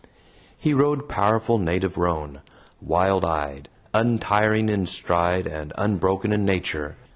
He rode powerful native roan, wild eyed, untiring in stride and unbroken in nature.